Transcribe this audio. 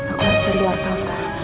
aku harus cari wartal sekarang